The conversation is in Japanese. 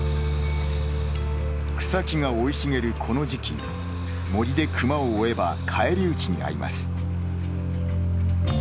草木が生い茂るこの時期森でクマを追えば返り討ちに遭います。